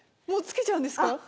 もう付けちゃうんですか？